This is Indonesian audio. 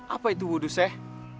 apa itu wudhu seh